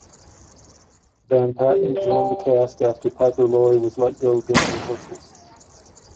Van Patten joined the cast after Piper Laurie was let go during rehearsals.